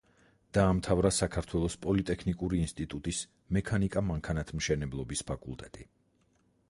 დაამთავრა საქართველოს პოლიტექნიკური ინსტიტუტის მექანიკა-მანქანათმშენებლობის ფაკულტეტი.